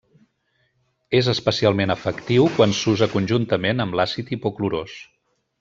És especialment efectiu quan s'usa conjuntament amb l'àcid hipoclorós.